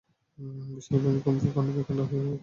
বিশাল ভূমিকম্পে ওটা খণ্ডবিখণ্ড হয়ে যাবার কথা বলে।